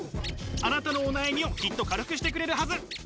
あなたのお悩みをきっと軽くしてくれるはず。